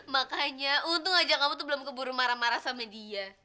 makanya untung aja kamu tuh belum keburu marah marah sama dia